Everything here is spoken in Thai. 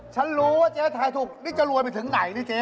ฉันรู้ว่าเจ๊ทายถูกนี่จะรวยไปถึงไหนนี่เจ๊